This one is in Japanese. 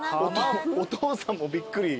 「お父さんもびっくり」